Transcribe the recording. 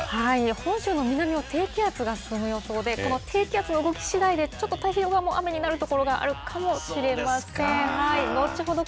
本州の南を低気圧が進む予想で、この低気圧の動きしだいでちょっと太平洋側も雨になる所もあるかもしれません。